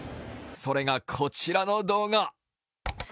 それが、こちらの動画。